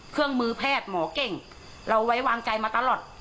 เครื่องมือแพทย์หมอเก่งเราไว้วางใจมาตลอด